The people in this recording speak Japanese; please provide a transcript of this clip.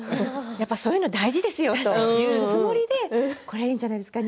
やっぱりそういうの大事ですよ、というつもりでこれいいんじゃないですか？